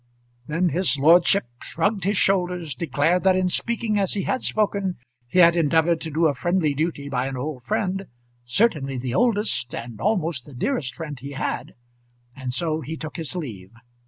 Then his lordship shrugged his shoulders, declared that in speaking as he had spoken he had endeavoured to do a friendly duty by an old friend, certainly the oldest, and almost the dearest friend he had, and so he took his leave.